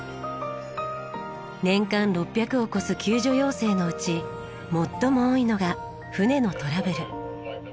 年間６００を超す救助要請のうち最も多いのが船のトラブル。